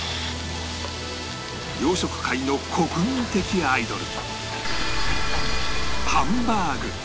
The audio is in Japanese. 洋食界の国民的アイドル